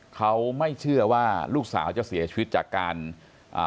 เขาไม่เชื่อว่าลูกสาวจะเสียชีวิตจากการอ่า